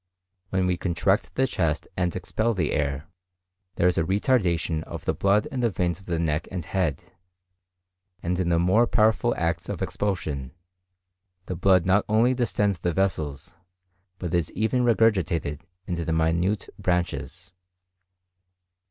When we contract the chest and expel the air, there is a retardation of the blood in the veins of the neck and head; and in the more powerful acts of expulsion, the blood not only distends the vessels, but is even regurgitated into the minute branches.